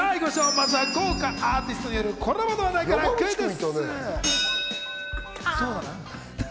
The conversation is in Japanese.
まずは豪華アーティストによるコラボの話題からクイズッス！